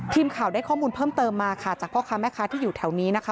ทีมข่าวได้ข้อมูลเพิ่มเติมมาค่ะจากพ่อค้าแม่ค้าที่อยู่แถวนี้นะคะ